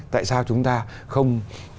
tại sao chúng ta không